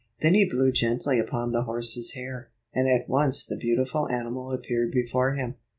Then he blew gently upon the horse's hair, and at once the beautiful animal appeared before him.